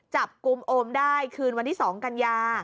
จับกลุ่มโอมได้คืนวันที่๒กันยา